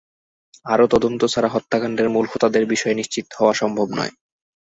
আরও তদন্ত ছাড়া হত্যাকাণ্ডের মূল হোতাদের বিষয়ে নিশ্চিত হওয়া সম্ভব নয়।